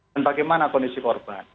dan bagaimana kondisi korban